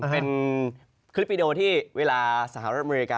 เป็นคลิปวิดีโอที่เวลาสหรัฐอเมริกา